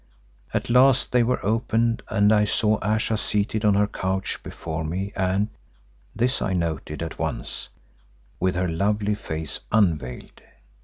At last they were open and I saw Ayesha seated on her couch before me and—this I noted at once—with her lovely face unveiled.